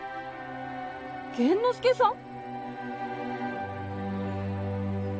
玄之介さん？